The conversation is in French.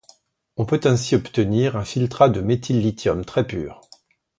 On peut ainsi obtenir un filtrat de méthyllithium très pur.